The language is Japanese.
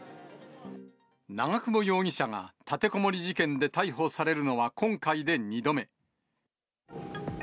長久保容疑者が立てこもり事件で逮捕されるのは今回で２度目。